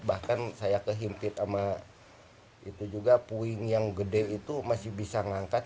bahkan saya kehimpit sama itu juga puing yang gede itu masih bisa ngangkat